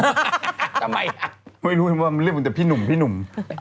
ไม่รู้เลยว่ามันเรียกไปตามพี่หนุ่ม